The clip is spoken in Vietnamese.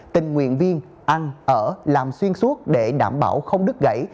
tình nguyện viên ăn ở làm xuyên suốt để đảm bảo không đứt gãy